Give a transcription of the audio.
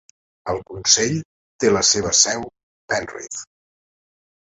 El Consell té la seva seu Penrith.